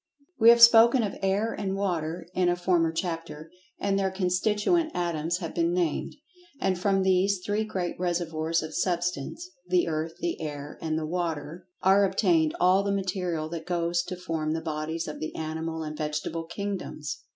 We have spoken of Air and Water, in a former chapter, and their constituent atoms have been named. And from these three great reservoirs of Substance—the Earth, the Air, and the Water—are obtained all the material that goes to form the bodies of the animal and vegetable kingdoms.